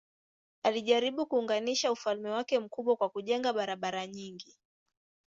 Alijaribu kuunganisha ufalme wake mkubwa kwa kujenga barabara nyingi.